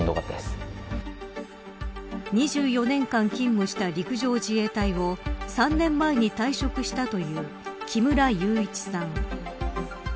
２４年間勤務した陸上自衛隊を３年前に退職したという木村祐一さん。